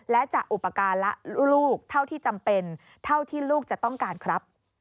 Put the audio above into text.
และจะอุปการณ์และลูกเท่าที่จำเป็นเท่าที่ลูกจะต้องการครับ